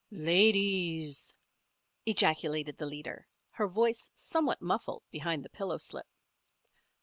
"Ladies!" ejaculated the leader, her voice somewhat muffled behind the pillowslip.